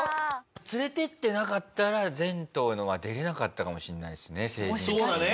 連れてってなかったら全島のは出れなかったかもしれないですね成人式に。